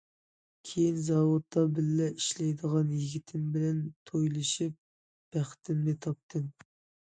كېيىن زاۋۇتتا بىللە ئىشلەيدىغان يىگىتىم بىلەن تويلىشىپ، بەختىمنى تاپتىم.